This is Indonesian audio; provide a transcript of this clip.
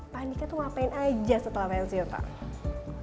pak adhika ngapain aja setelah pensiun pak